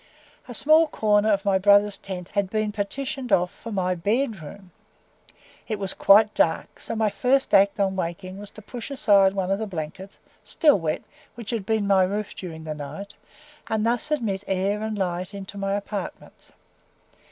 A small corner of my brother's tent had been partitioned off for my BED ROOM; it was quite dark, so my first act on waking was to push aside one of the blankets, still wet, which had been my roof during the night, and thus admit air and light into my apartments.